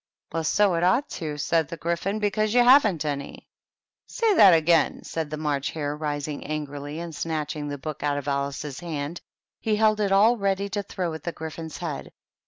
"Well, so it ought to," said the Gryphon, "because you haven't any!" " Say that again !" said the March Hare, rising angrily, and, snatching the book out of Alice's hand, he held it all ready to throw at the Gry phon's head.